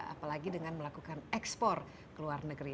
apalagi dengan melakukan ekspor ke luar negeri